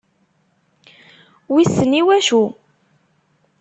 Wissen i waccu?